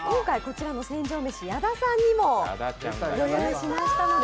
こちらの船上めし、矢田さんにもご用意しました。